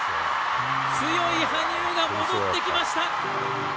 強い羽生が戻ってきました。